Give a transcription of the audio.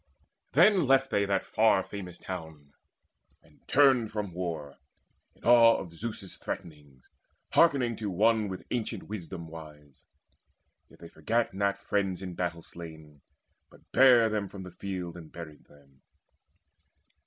Then left they that far famous town, and turned From war, in awe of Zeus's threatenings, Hearkening to one with ancient wisdom wise. Yet they forgat not friends in battle slain, But bare them from the field and buried them.